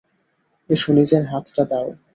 এসো, নিজের হাতটা দাও।